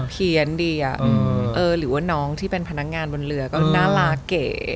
ี้ยนดีหรือว่าน้องที่เป็นพนักงานบนเรือก็น่ารักเก๋